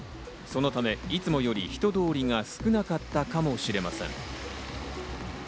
そのためいつもより人通りが少なかったかもしれません。